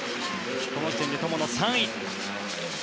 この時点で友野は３位。